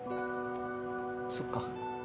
そっか。